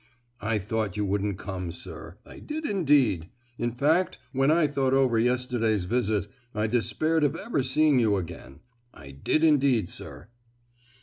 "I thought you wouldn't come, sir—I did indeed; in fact, when I thought over yesterday's visit, I despaired of ever seeing you again: I did indeed, sir!"